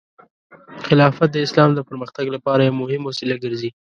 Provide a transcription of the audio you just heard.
خلافت د اسلام د پرمختګ لپاره یو مهم وسیله ګرځي.